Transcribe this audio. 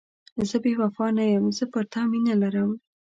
زه بې وفا نه یم، زه پر تا مینه لرم.